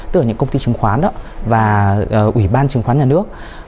từ những công ty trừng khoán và ủy ban trừng khoán nhà nước